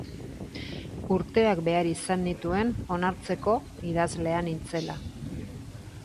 Urteak behar izan nituen onartzeko idazlea nintzela.